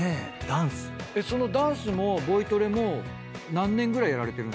そのダンスもボイトレも何年ぐらいやられてるんですか？